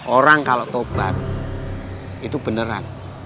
orang kalau tobat itu beneran